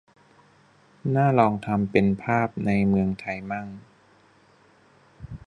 น่าลองทำเป็นภาพในเมืองไทยมั่ง